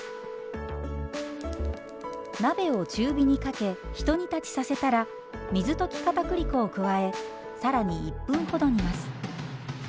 鍋を中火にかけひと煮立ちさせたら水溶きかたくり粉を加え更に１分ほど煮ます。